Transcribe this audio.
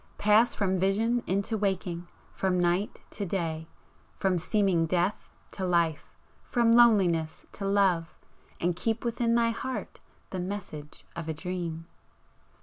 Pass from vision into waking! from night to day! from seeming death to life! from loneliness to love! and keep within thy heart the message of a Dream!"